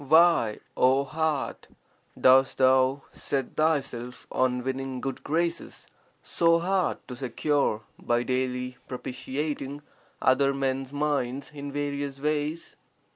Why, O heart, dost thou set thyself on winning good graces, so hard to secure, by daily propitiating other men's minds in various ways?